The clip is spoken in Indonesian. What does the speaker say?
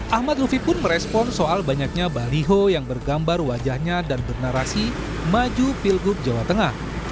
ahmad lufi pun merespon soal banyaknya baliho yang bergambar wajahnya dan bernarasi maju pilgub jawa tengah